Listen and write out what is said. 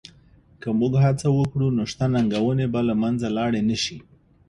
که موږ هڅه وکړو نو شته ننګونې به له منځه لاړې شي.